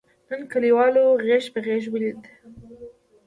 نن کلیوالو غېږ په غېږ ولیدل.